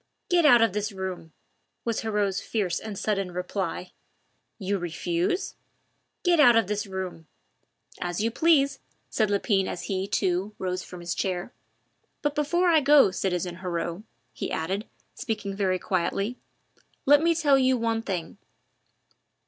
"Get out of this room," was Heriot's fierce and sudden reply. "You refuse?" "Get out of this room!" "As you please," said Lepine as he, too, rose from his chair. "But before I go, citizen Heriot," he added, speaking very quietly, "let me tell you one thing.